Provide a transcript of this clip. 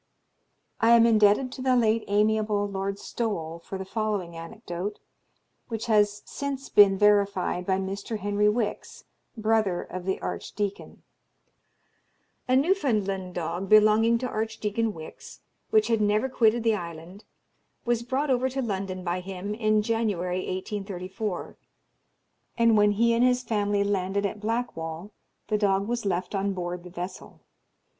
I am indebted to the late amiable Lord Stowell for the following anecdote, which has since been verified by Mr. Henry Wix, brother of the archdeacon: A Newfoundland dog belonging to Archdeacon Wix, which had never quitted the island, was brought over to London by him in January 1834, and when he and his family landed at Blackwall the dog was left on board the vessel.